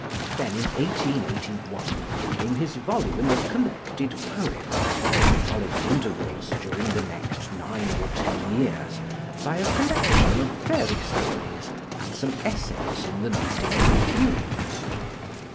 Then, in 1881, came his volume of collected poems, followed at intervals during the next nine or ten years by a collection of fairy stories and some essays in the leading reviews.